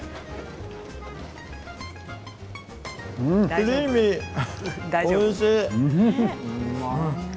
クリーミーおいしい。